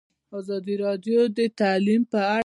ازادي راډیو د تعلیم په اړه د خلکو پوهاوی زیات کړی.